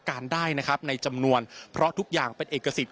การได้นะครับในจำนวนเพราะทุกอย่างเป็นเอกสิทธ